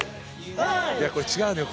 いやこれ違うのよ。